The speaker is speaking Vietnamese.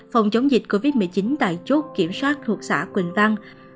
phòng chống dịch covid một mươi chín tại chốt kiểm soát thuộc xã quỳnh văn